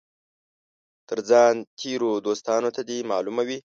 تر ځان تېرو دوستانو ته دي معلومه وي.